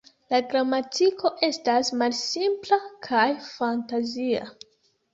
La gramatiko estas malsimpla kaj fantazia.